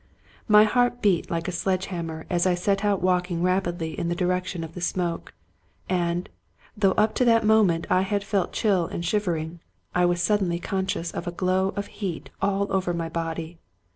My heart beat like a sledge hammer as I set out walking rapidly in the direction of the smoke ; and, though up to that moment I had felt chill and shivering, I was suddenly con scious of a glow of heat all over my body.